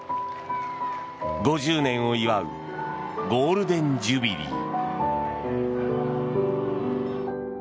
５０年を祝うゴールデン・ジュビリー。